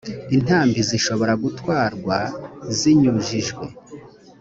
intambi zishobora gutwarwa zinyujijwe